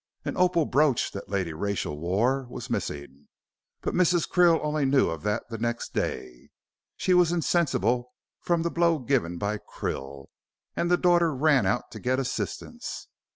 An opal brooch that Lady Rachel wore was missing, but Mrs. Krill only knew of that the next day. She was insensible from the blow given by Krill, and the daughter ran out to get assistance.